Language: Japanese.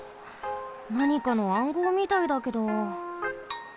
なにかの暗号みたいだけど。